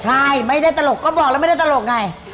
ใช่ไม่ได้ตารกก็บอกว่าไม่ได้ตารกไง